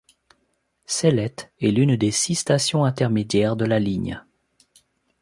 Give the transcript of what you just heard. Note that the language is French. Cellettes est l'une des six stations intermédiaires de la ligne.